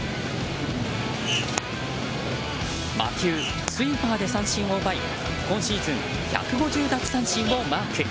魔球スイーパーで三振を奪い今シーズン１５０奪三振をマーク。